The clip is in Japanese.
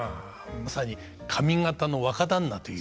まさに上方の若旦那という。